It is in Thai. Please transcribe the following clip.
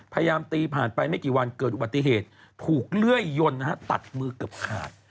พยายามตีผ่านไปไม่กี่วันเกิดอุบัติเหตุถูกเลื่อยยนตัดมือเกือบขาด